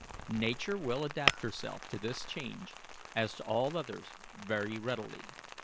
Nature will adapt herself to this change, as to all others, very readily.